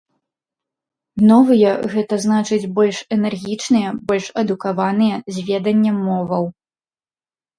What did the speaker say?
Новыя, гэта значыць больш энергічныя, больш адукаваныя, з веданнем моваў.